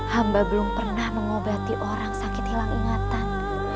hamba belum pernah mengobati orang sakit hilang ingatan